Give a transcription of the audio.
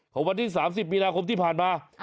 วันที่๓๐มีนาคมที่ผ่านมา